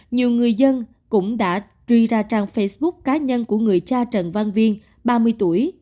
nhiều người dân cũng đã truy ra trang facebook cá nhân của người cha trần văn viên ba mươi tuổi